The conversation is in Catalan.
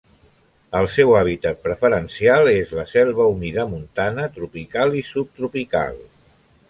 El seu hàbitat preferencial és la selva humida montana tropical i subtropical.